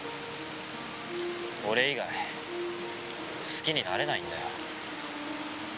俺以外好きになれないんだよ。